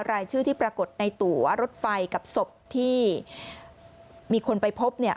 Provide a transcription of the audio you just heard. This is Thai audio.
รายชื่อที่ปรากฏในตัวรถไฟกับศพที่มีคนไปพบเนี่ย